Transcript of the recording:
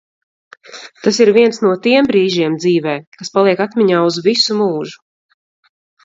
Tas ir viens no tiem brīžiem dzīvē, kas paliek atmiņā uz visu mūžu.